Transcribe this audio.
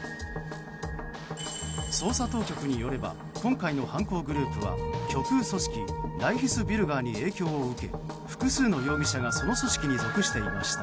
捜査当局によれば今回の犯行グループは極右組織ライヒスビュルガーに影響を受け複数の容疑者がその組織に属していました。